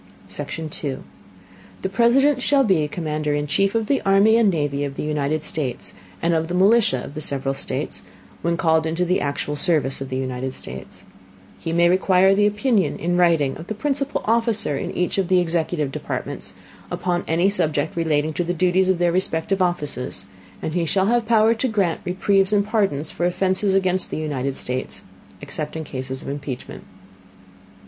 Section 2. The President shall be Commander in Chief of the Army and Navy of the United States, and of the Militia of the several States, when called into the actual Service of the United States; he may require the Opinion, in writing, of the principal Officer in each of the executive Departments, upon any Subject relating to the Duties of their respective Offices, and he shall have Power to grant Reprieves and Pardons for Offenses against the United States, except in Cases of impeachment.